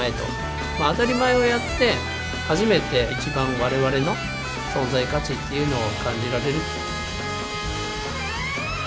当たり前をやって初めて一番我々の存在価値っていうのを感じられる。